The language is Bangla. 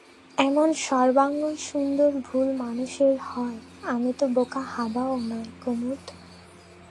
এমন সর্বাঙ্গসুন্দর ভুল মানুষের হয় আমি তো বোকাহাবাও নই কুমুদ!